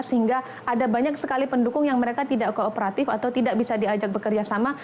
sehingga ada banyak sekali pendukung yang mereka tidak kooperatif atau tidak bisa diajak bekerja sama